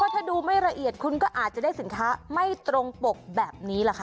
ถ้าดูไม่ละเอียดคุณก็อาจจะได้สินค้าไม่ตรงปกแบบนี้แหละค่ะ